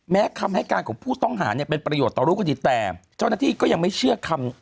คำให้การของผู้ต้องหาเนี่ยเป็นประโยชน์ต่อรูปคดีแต่เจ้าหน้าที่ก็ยังไม่เชื่อคำ